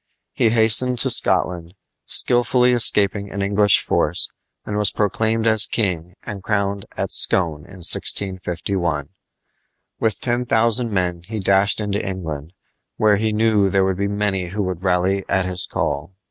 He hastened to Scotland, skilfully escaping an English force, and was proclaimed as king and crowned at Scone, in 1651. With ten thousand men he dashed into England, where he knew there were many who would rally at his call.